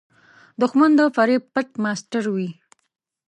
دښمن د فریب پټ ماسټر وي